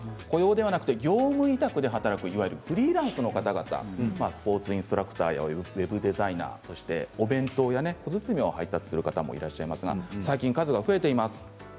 雇用ではなく業務委託で働くいわゆるフリーランスの方、スポーツインストラクターやウェブデザイナー、そしてお弁当や小包を配達する方もいらっしゃいますが最近、数が増えています。